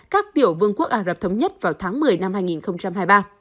các tiểu vương quốc ả rập thống nhất vào tháng một mươi năm hai nghìn hai mươi ba